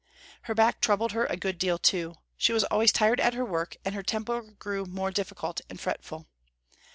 Her back troubled her a good deal, too. She was always tired at her work and her temper grew more difficult and fretful.